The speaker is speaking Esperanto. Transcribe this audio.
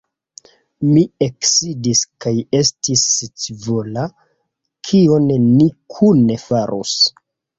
Mi eksidis kaj estis scivola, kion ni kune farus.